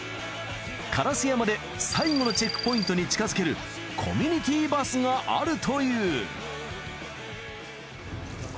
烏山で最後のチェックポイントに近づけるコミュニティバスがあるという。